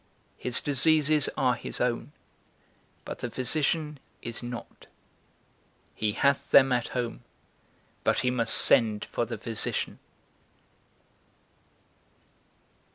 His diseases are his own, but the physician is not; he hath them at home, but he must send for the physician.